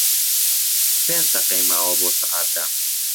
پێنج دەقەی ماوە بۆ سەعات دە.